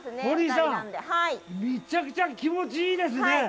堀井さん、めちゃくちゃ気持ちいいですね。